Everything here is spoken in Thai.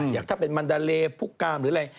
อยากถ้ามันเป็นมันดาเรฟบุกกามหรืออะไร